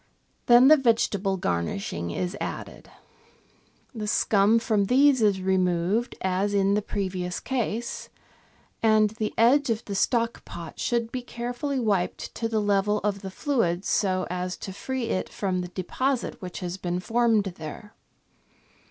Then the vegetable garnishing is added. The scum from these is removed as in the previous case, and the edge of the stock pot should be carefully wiped to the level of the fluid, so as to free it from the deposit which has been formed there.